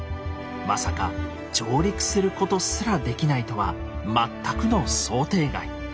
まさか上陸することすらできないとは全くの想定外。